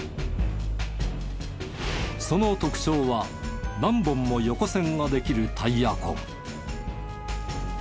その特徴は何本も横線ができるタイヤ痕。